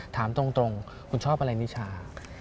ถามตรงคุณชอบอะไรนิชา